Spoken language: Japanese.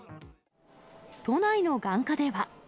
都内の眼科では。